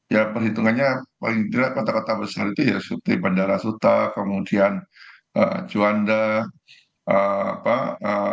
ya perhitungannya paling tidak kota kota besar itu ya seperti bandara suta kemudian juanda